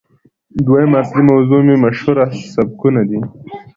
دويمه اصلي موضوع مې مشهورسبکونه دي